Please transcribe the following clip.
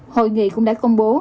hội nghị cũng đã công bố